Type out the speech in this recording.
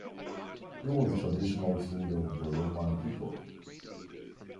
It was a traditional food of the Roman people.